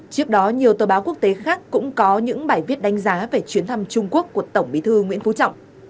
trước đó nhiều tờ báo quốc tế khác cũng có những bài viết đánh giá về chuyến thăm trung quốc của tổng bí thư nguyễn phú trọng